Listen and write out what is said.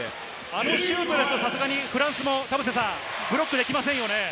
あのシュートですと、フランスも田臥さん、ブロックできませんね。